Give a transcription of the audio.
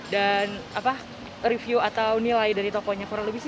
dan review atau nilai dari tokonya